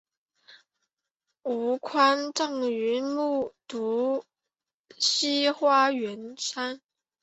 吴宽葬于木渎西花园山。